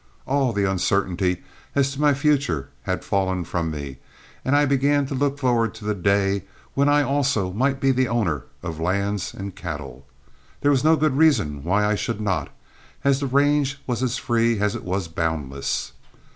All the uncertainty as to my future had fallen from me, and I began to look forward to the day when I also might be the owner of lands and cattle. There was no good reason why I should not, as the range was as free as it was boundless.